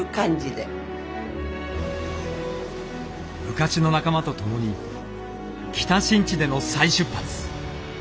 昔の仲間と共に北新地での再出発。